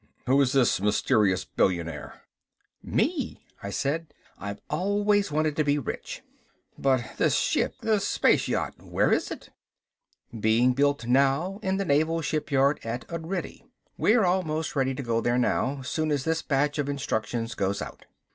"Who is this mysterious billionaire?" "Me," I said. "I've always wanted to be rich." "But this ship, the space yacht, where is it?" "Being built now in the naval shipyard at Udrydde. We're almost ready to go there now, soon as this batch of instructions goes out."